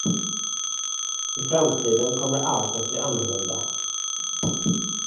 I framtiden kommer allt bli annorlunda.